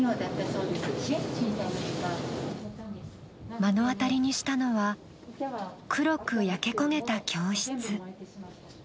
目の当たりにしたのは黒く焼け焦げた教室。